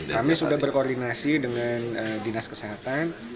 kami sudah berkoordinasi dengan dinas kesehatan